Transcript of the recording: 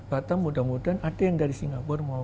batam mudah mudahan ada yang dari singapura mau